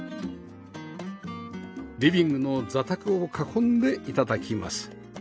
リビングの座卓を囲んでいただきます